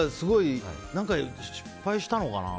何か失敗したのかな。